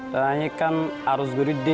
saya kan harus berhenti